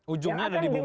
ujungnya ada di bunga